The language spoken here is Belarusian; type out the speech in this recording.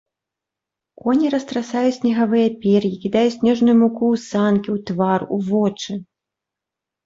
Коні растрасаюць снегавыя пер'і, кідаюць снежную муку ў санкі, у твар, у вочы.